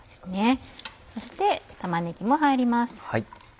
そして玉ねぎも入ります。